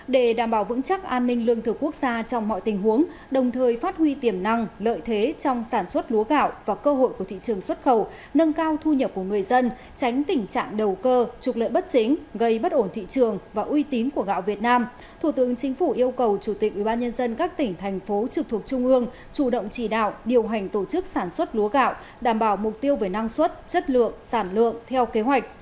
để đảm bảo vững chắc an ninh lương thực quốc gia trong mọi tình huống đồng thời phát huy tiềm năng lợi thế trong sản xuất lúa gạo và cơ hội của thị trường xuất khẩu nâng cao thu nhập của người dân tránh tình trạng đầu cơ trục lợi bất chính gây bất ổn thị trường và uy tím của gạo việt nam thủ tướng chính phủ yêu cầu chủ tịch ubnd các tỉnh thành phố trực thuộc trung ương chủ động chỉ đạo điều hành tổ chức sản xuất lúa gạo đảm bảo mục tiêu về năng suất chất lượng sản lượng theo kế hoạch